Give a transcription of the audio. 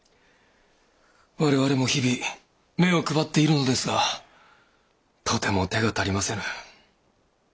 我々も日々目を配っているのですがとても手が足りませぬ。